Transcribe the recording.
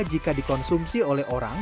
jika dikonsumsi oleh orang